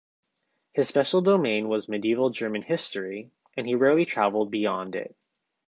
His special domain was medieval German history, and he rarely travelled beyond it.